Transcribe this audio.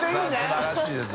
素晴らしいですよ